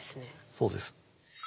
そうです。